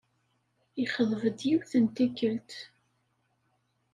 Yexḍeb-d, yiwet n tikkelt.